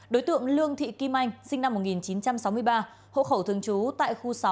đối tượng lương thị kim anh sinh năm một nghìn chín trăm sáu mươi ba hộ khẩu thường trú tại khu sáu